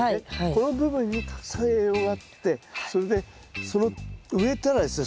この部分にたくさん栄養があってそれで植えたらですね